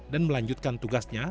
dan melanjutkan tugasnya